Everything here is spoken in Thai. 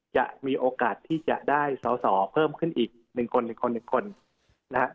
จะมีโอกาสที่จะได้สอสอเพิ่มขึ้นอีกหนึ่งคนหนึ่งคนหนึ่งคนนะฮะ